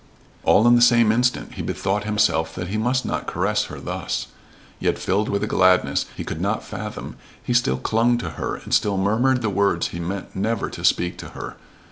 All in the same instant he bethought himself that he must not caress her thus. Yet filled with a gladness he could not fathom he still clung to her and still murmured the words he meant never to speak to her.